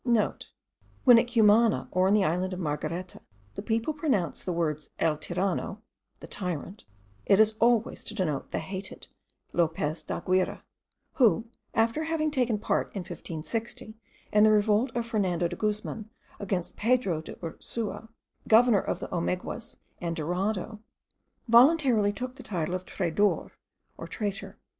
*(* When at Cumana, or in the island of Margareta, the people pronounce the words el tirano (the tyrant), it is always to denote the hated Lopez d'Aguirre, who, after having taken part, in 1560, in the revolt of Fernando de Guzman against Pedro de Ursua, governor of the Omeguas and Dorado, voluntarily took the title of traidor, or traitor.